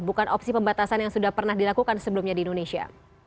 bukan opsi pembatasan yang sudah pernah dilakukan sebelumnya di indonesia